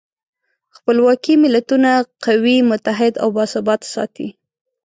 خپلواکي ملتونه قوي، متحد او باثباته ساتي.